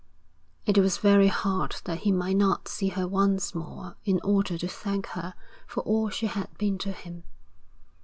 It was very hard that he might not see her once more in order to thank her for all she had been to him.